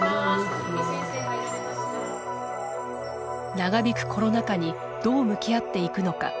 長引くコロナ禍にどう向き合っていくのか。